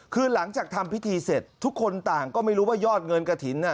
คือหลังจากทำพิธีเสร็จทุกคนต่างก็ไม่รู้ว่ายอดเงินกระถิ่น